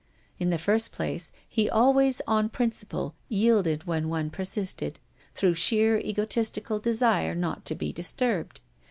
In the first place, he always on principle yielded when one persisted, through sheer egotistical desire not to be disturbed.